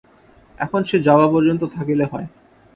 এখন সে যাওয়া পর্যন্ত থাকিলে হয়!